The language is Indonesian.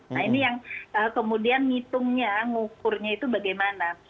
nah ini yang kemudian ngitungnya ngukurnya itu bagaimana